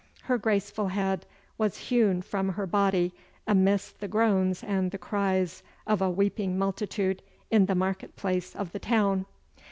Her graceful head was hewn from her body amidst the groans and the cries of a weeping multitude in the market place of the town.